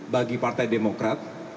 bagi partai demokrat